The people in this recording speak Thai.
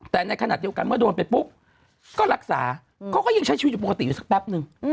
แต่ในขณะเดียวกันเมื่อโดนไปปุ๊บก็รักษาเขาก็ยังใช้ชีวิตอยู่ปกติอยู่สักแป๊บนึง